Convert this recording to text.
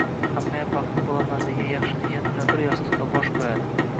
Hammayam “Baxtli bo‘laman”, degan yaxshi niyat bilan bir yostiqqa bosh qo‘yadi.